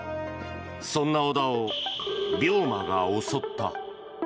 そんな小田を病魔が襲った。